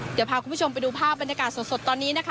เดี๋ยวพาคุณผู้ชมไปดูภาพบรรยากาศสดตอนนี้นะคะ